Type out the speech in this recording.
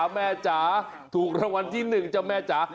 จ๋าถูกรางวัลที่๑จ้ะแม่จ๋า